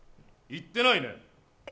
行ってないね。